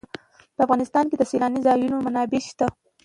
په افغانستان کې د سیلانی ځایونه منابع شته.